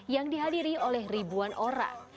yang dihadiri oleh ribuan orang